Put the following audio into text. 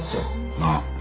なあ！